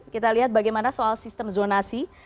kita lihat bagaimana soal sistem zonasi